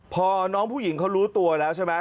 พอน้องผู้หญิงเขารู้ตัวแล้วใช่ไหม